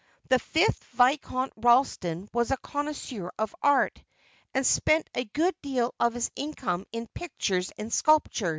The fifth Viscount Ralston was a connoisseur of art, and spent a good deal of his income in pictures and sculpture.